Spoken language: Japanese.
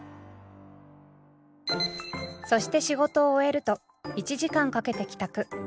そして仕事を終えると１時間かけて帰宅。